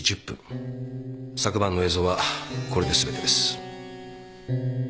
昨晩の映像はこれで全てです。